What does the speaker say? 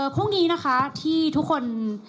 พรุ่งนี้นะคะที่ทุกคน